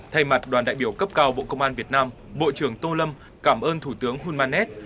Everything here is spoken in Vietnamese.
thay mặt đoàn đại biểu cấp cao bộ công an việt nam bộ trưởng tô lâm cảm ơn thủ tướng hunmanet